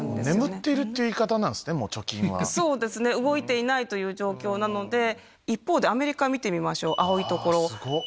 眠っているっていう言い方なそうですね、動いていないという状況なので、一方でアメリカ見てみましょう、青いところ。